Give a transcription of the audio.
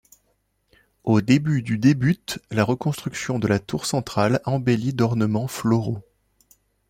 Au début du débute la reconstruction de la tour centrale, embellie d'ornement floraux.